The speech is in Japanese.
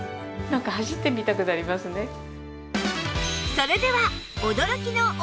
それでは